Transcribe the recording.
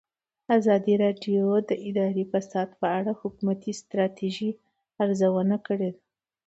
ازادي راډیو د اداري فساد په اړه د حکومتي ستراتیژۍ ارزونه کړې.